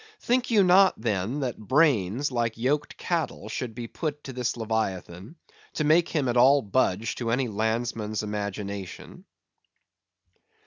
Think you not then that brains, like yoked cattle, should be put to this leviathan, to make him at all budge to any landsman's imagination?